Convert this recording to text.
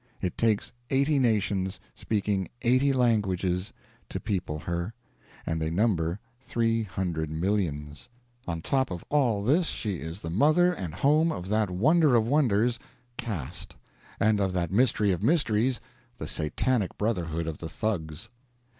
It takes eighty nations, speaking eighty languages, to people her, and they number three hundred millions. On top of all this she is the mother and home of that wonder of wonders caste and of that mystery of mysteries, the satanic brotherhood of the Thugs.